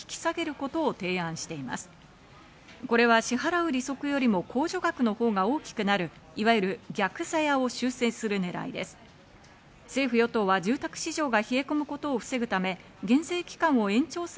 これは支払う利息よりも控除枠のほうが大きくなる、いわゆる逆ざやを修正する狙いです。